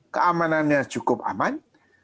keamanannya cukup aman